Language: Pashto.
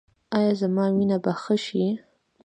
ایا زما وینه به ښه شي؟